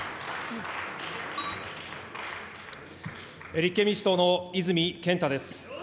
立憲民主党の泉健太です。